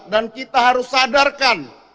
dan kita harus sadarkan